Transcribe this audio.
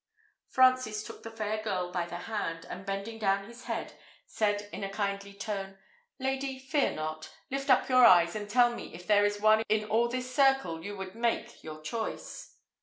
Francis took the fair girl by the hand, and bending down his head, said in a kindly tone, "Lady, fear not. Lift up your eyes, and tell me if there is one in all this circle you would make your choice."